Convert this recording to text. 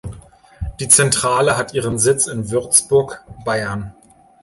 Die Zentrale hat ihren Sitz in Würzburg, Bayern.